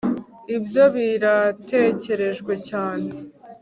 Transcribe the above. ibyo biratekerejwe cyane